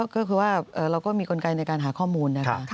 เราก็มีกลไกในการหาข้อมูล